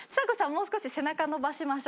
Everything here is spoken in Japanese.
もう少し背中伸ばしましょう。